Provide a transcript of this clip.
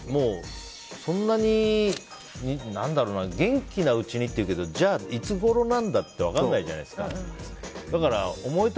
元気なうちにっていうけどいつごろなんだって分からないじゃないですか。